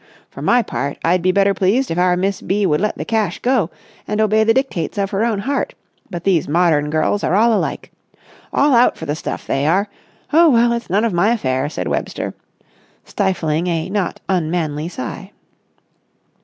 For my part I'd be better pleased if our Miss B. would let the cash go, and obey the dictates of her own heart; but these modern girls are all alike! All out for the stuff, they are! Oh, well, it's none of my affair," said Webster, stifling a not unmanly sigh.